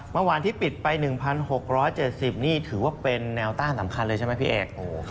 เมื่อวานที่ปิดไป๑๖๗๐นี่ถือว่าเป็นแนวต้านสำคัญเลยใช่ไหมพี่เอก